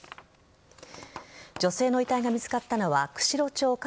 女性の遺体が見つかったのは釧路町桂